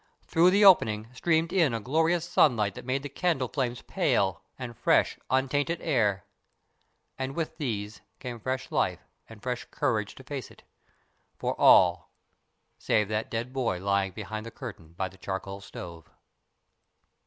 Through the opening streamed in a glorious sunlight that made the candle flames pale, and fresh, untainted air. And with these came fresh life and fresh courage to face it for all, save that dead boy lying behind the curtain by the charcoal stove.